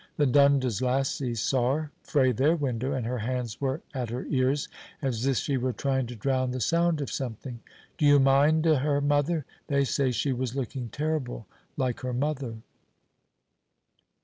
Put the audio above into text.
The Dundas lassies saw her frae their window, and her hands were at her ears as if she was trying to drown the sound o' something. Do you mind o' her mother? They say she was looking terrible like her mother.